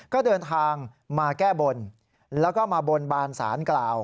ก็เดินทางมาแก้บนแล้วก็มาบนบานสารกล่าว